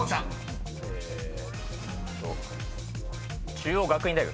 中央学院大学？